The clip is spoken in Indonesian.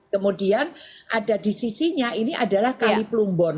kemudian ada di sisinya ini adalah kalipelumbon